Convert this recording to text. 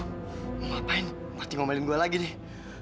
ngapain berarti ngomelin gue lagi nih